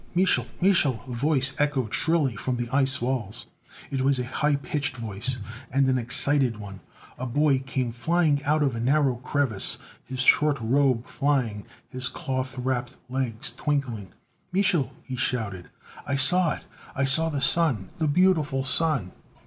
"Mich'l! Mich'l!" a voice echoed shrilly from the ice walls. It was a high pitched voice, and an excited one. A boy came flying out of a narrow crevice, his short robe flying, his cloth wrapped legs twinkling. "Mich'l!" he shouted. "I saw it! I saw the Sun, the beautiful Sun!"